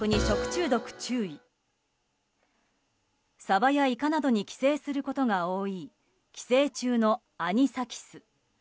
サバやイカなどに寄生することが多い寄生虫のアニサキス。